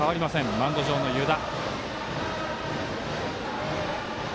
マウンド上の湯田。